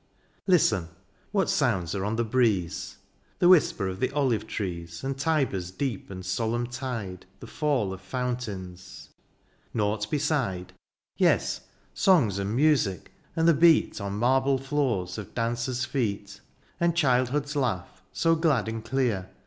Listen ! what sounds are on the breeze ? The whisper of the olive trees. And Tiber's deep and solemn tide. The fall of fountains. — Naught beside ? Yes, songs and music, and the beat. On marble floors, of dancers^ feet. And childhood's laugh so glad and clear.